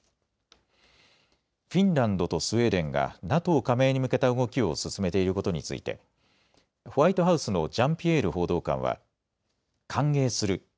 フィンランドとスウェーデンがＮＡＴＯ加盟に向けた動きを進めていることについてホワイトハウスのジャンピエール報道官は歓迎する。